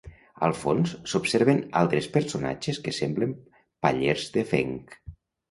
Al fons, s'observen altres personatges que semblen pallers de fenc.